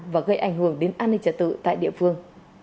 và gây ảnh hưởng đến an ninh trả tự tại địa phương